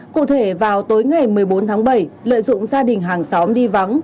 cụ thể vào tối ngày một mươi bốn tháng bảy lợi dụng gia đình hàng xóm đi vắng